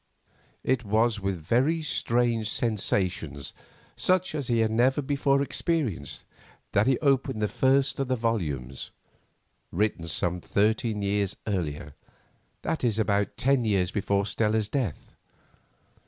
It was with very strange sensations, such as he had never before experienced, that he opened the first of the volumes, written some thirteen years earlier, that is, about ten years before Stella's death.